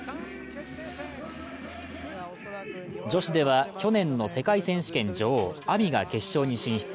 女子では去年の世界選手権女王、ＡＭＩが決勝進出。